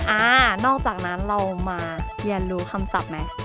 อ่านอกจากนั้นเรามาเรียนรู้คำศัพท์ไหม